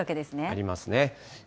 ありますね。